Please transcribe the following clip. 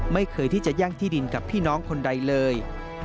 ไม่เคยที่จะแย่งที่ดินกับพี่น้องคนใดเลย